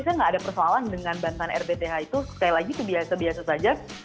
saya nggak ada persoalan dengan bantuan rbth itu sekali lagi itu biasa biasa saja